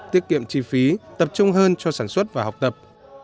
tiết kiệm chi phí tập trung hơn cho sản xuất và học tập